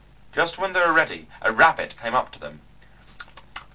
Just when they were ready a rabbit came up to them.